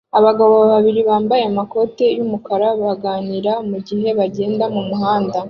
Abagabo babiri bambaye amakoti yumukara baganira mugihe bagenda mumuhanda